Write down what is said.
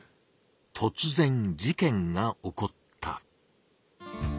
とつ然事件が起こった。